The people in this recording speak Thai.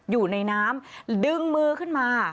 อยู่ในน้ำดึงมือขึ้นมา